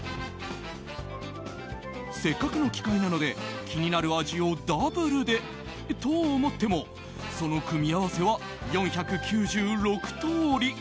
せっかくの機会なので気になる味をダブルでと思ってもその組み合わせは４９６通り。